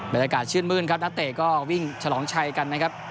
บรรยากาศชื่นมื้นครับนักเตะก็วิ่งฉลองชัยกันนะครับ